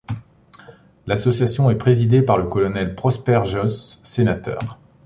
L'association est présidée par le colonel Prosper Josse, sénateur.